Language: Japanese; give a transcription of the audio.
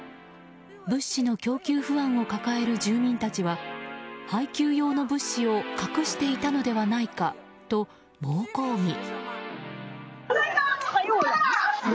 物資の供給不安を抱える住民たちは配給用の物資を隠していたのではないかと猛抗議。